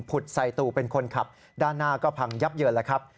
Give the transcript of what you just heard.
ใส่ตูเป็นคนขับด้านหน้าก็พังยับเยินแล้วครับ